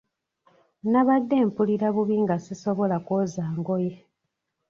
Nabadde mpulira bubi nga sisobola kwoza ngoye.